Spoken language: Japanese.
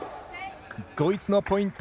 ドイツのポイント。